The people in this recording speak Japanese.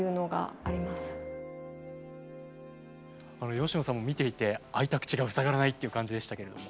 佳乃さんも見ていて開いた口が塞がらないっていう感じでしたけれども。